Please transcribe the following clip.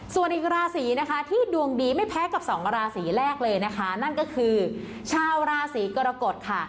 ส่วนอีกราศีนะคะที่ดวงดีไม่แพ้กับสองราศีแรกเลยนะคะนั่นก็คือชาวราศีกรกฎค่ะ